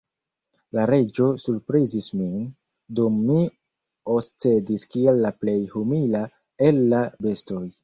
La Reĝo surprizis min, dum mi oscedis kiel la plej humila el la bestoj.